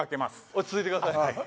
落ち着いてください